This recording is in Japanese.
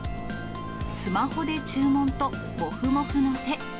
スマホで注文とモフモフの手。